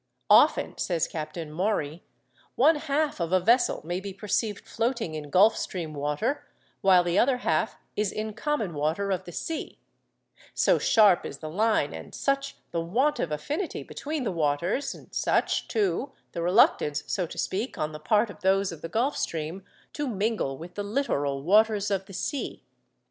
'Often,' says Captain Maury, 'one half of a vessel may be perceived floating in Gulf Stream water, while the other half is in common water of the sea—so sharp is the line, and such the want of affinity between the waters, and such, too, the reluctance, so to speak, on the part of those of the Gulf Stream, to mingle with the littoral waters of the sea.